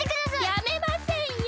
やめませんよ。